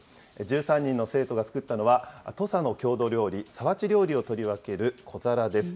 １３人の生徒が作ったのは、土佐の郷土料理、皿鉢料理を取り分ける小皿です。